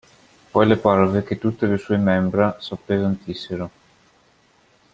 Poi le parve che tutte le sue membra s'appesantissero.